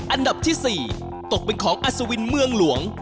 อันดับที่๔ตกเป็นของอัศวินเมืองหลวง